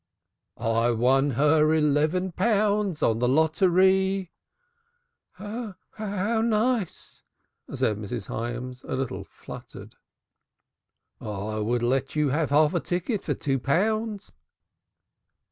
"I won her eleven pounds on the lotter_ee_." "How nice," said Mrs. Hyams, a little fluttered. "I would let you have half a ticket for two pounds."